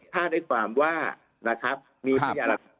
ถ้าได้ความว่านะครับมีพยานหลักฐาน